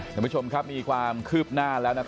ท่านผู้ชมครับมีความคืบหน้าแล้ว